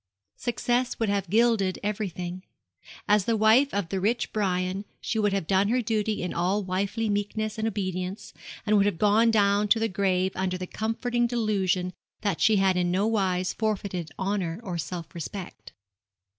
Success would have gilded everything. As the wife of the rich Brian she would have done her duty in all wifely meekness and obedience, and would have gone down to the grave under the comforting delusion that she had in no wise forfeited honour or self respect.